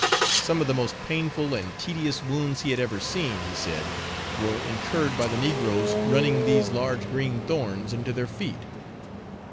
Some of the most painful and tedious wounds he had ever seen, he said, were incurred by the negroes running these large green thorns into their feet.